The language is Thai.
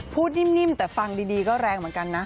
นิ่มแต่ฟังดีก็แรงเหมือนกันนะ